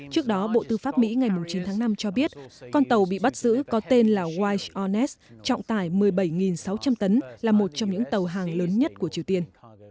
trước đó bộ tư pháp mỹ ngày chín tháng năm cho biết con tàu bị bắt giữ có tên là wise ornet trọng tải một mươi bảy sáu trăm linh tấn là một trong những tàu hàng lớn nhất của triều tiên